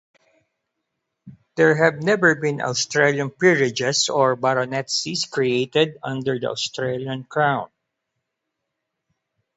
There have never been Australian peerages or baronetcies created under the Australian Crown.